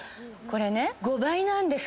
これね。